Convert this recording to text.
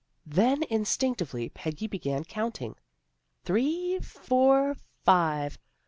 Then instinctively Peggy began counting, " Three, four, five.